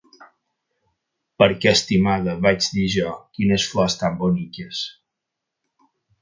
"Per què, estimada", vaig dir jo, "quines flors tan boniques"!